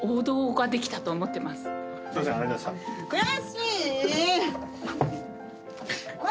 悔しい！